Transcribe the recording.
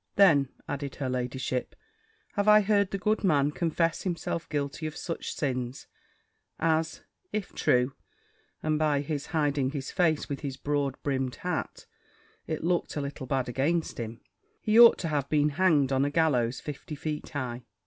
"Then," added her ladyship, "have I heard the good man confess himself guilty of such sins, as, if true (and by his hiding his face with his broad brimmed hat, it looked a little bad against him), he ought to have been hanged on a gallows fifty feet high."